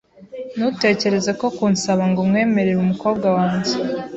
Ntutekereze no kunsaba ngo nkwemerere umukobwa wanjye.